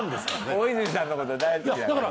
大泉さんのこと大好きだから。